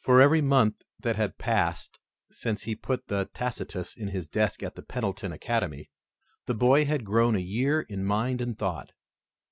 For every month that had passed since he put the Tacitus in his desk at Pendleton Academy, the boy had grown a year in mind and thought.